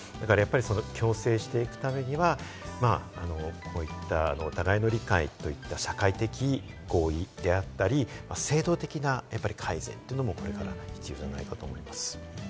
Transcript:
共生していくためには、こういったお互いの理解といった社会的合意であったり、制度的な改善もこれから必要じゃないかなと思います。